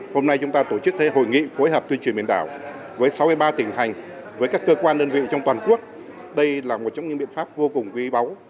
hôm nay chúng ta tổ chức hội nghị phối hợp tuyên truyền biển đảo với sáu mươi ba tỉnh hành với các cơ quan đơn vị trong toàn quốc đây là một trong những biện pháp vô cùng quý báu